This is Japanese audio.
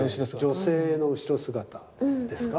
女性の後ろ姿ですか。